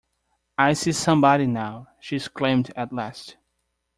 ‘I see somebody now!’ she exclaimed at last.